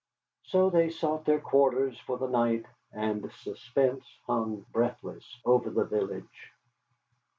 So they sought their quarters for the night, and suspense hung breathless over the village.